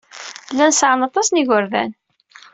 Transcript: Llan sɛan aṭas n yigerdan.